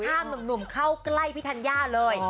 หนุ่มเข้าใกล้พี่ธัญญาเลย